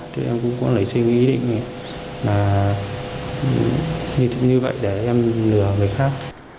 thế em cũng có lấy xin ý định là như thế như vậy để em lừa người khác